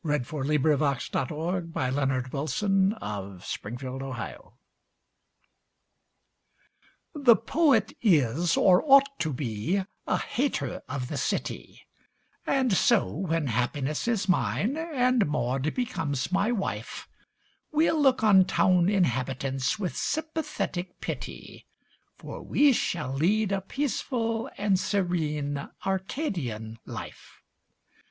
JM Embroideries & Collectibles Rural Bliss By Anthony Charles Deane The poet is, or ought to be, a hater of the city, And so, when happiness is mine, and Maud becomes my wife, We'll look on town inhabitants with sympathetic pity, For we shall lead a peaceful and serene Arcadian life.